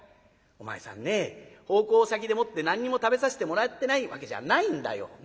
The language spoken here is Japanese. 「お前さんね奉公先でもって何にも食べさせてもらってないわけじゃないんだよ。